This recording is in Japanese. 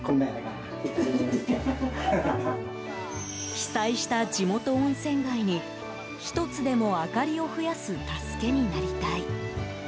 被災した地元温泉街に１つでも明かりを増やす助けになりたい。